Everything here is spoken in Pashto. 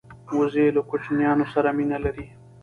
وزې له کوچنیانو سره مینه لري